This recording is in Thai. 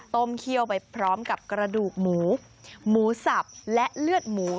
เคี่ยวไปพร้อมกับกระดูกหมูหมูสับและเลือดหมู